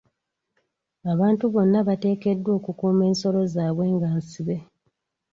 Abantu bonna bateekeddwa okukuuma ensolo zaabwe nga nsibe.